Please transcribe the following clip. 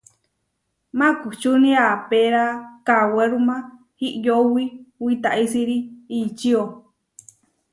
Makučúni aapéra kawerúma iʼyówi witaisíri ičio.